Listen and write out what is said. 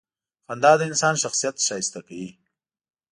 • خندا د انسان شخصیت ښایسته کوي.